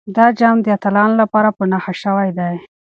دا جام د اتلانو لپاره په نښه شوی دی.